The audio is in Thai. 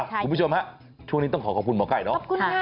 คุณผู้ชมฮะช่วงนี้ต้องขอขอบคุณหมอไก่เนาะ